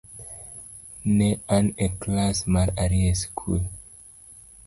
Ne an e klas mar ariyo e skul.